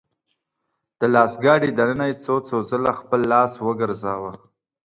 د لاس ګاډي دننه يې څو څو ځله خپل لاس وګرځاوه .